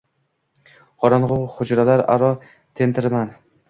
Qorong’u hujralar aro tentirman